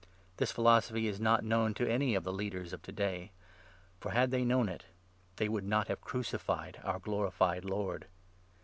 This philo 8 sophy is not known to any of the leaders of to day ; for, had they known it, they would not have crucified our glorified Lord.